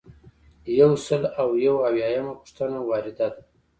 یو سل او یو اویایمه پوښتنه وارده ده.